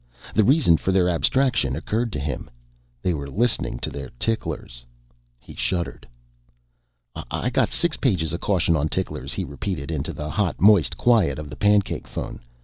The reason for their abstraction occurred to him. They were listening to their ticklers! He shuddered. "I got six pages of caution on ticklers," he repeated into the hot, moist quiet of the pancake phone.